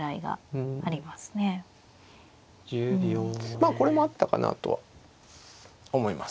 まあこれもあったかなとは思います。